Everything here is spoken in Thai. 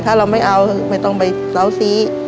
ถ้าเราไม่เอาไม่ต้องไปเซาซี